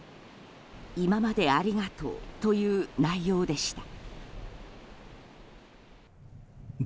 「今までありがとう」という内容でした。